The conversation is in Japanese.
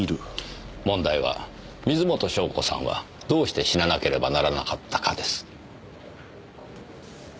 問題は水元湘子さんはどうして死ななければならなかったかです。